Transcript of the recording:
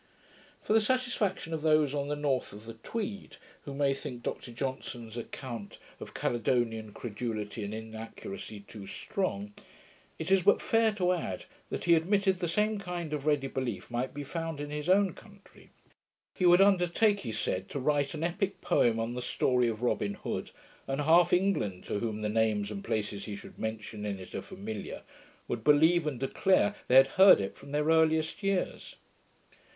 For the satisfaction of those on the north of the Tweed, who may think Dr Johnson's account of Caledonian credulity and inaccuracy too strong, it is but fair to add, that he admitted the same kind of ready belief might be found in his own country. 'He would undertake,' he said, 'to write an epick poem on the story of Robin Hood, and half England, to whom the names and places he should mention in it are familiar, would believe and declare they had heard it from their earliest years.'